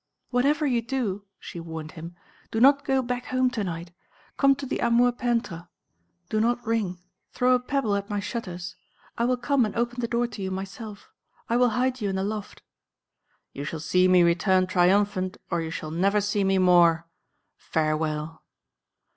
"Whatever you do," she warned him, "do not go back home to night. Come to the Amour peintre. Do not ring; throw a pebble at my shutters. I will come and open the door to you myself; I will hide you in the loft." "You shall see me return triumphant, or you shall never see me more. Farewell!"